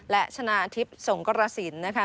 และชนะอาทิบสงกรสินนะคะ